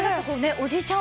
おじいちゃん